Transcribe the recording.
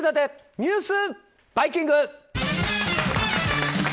ニュースバイキング。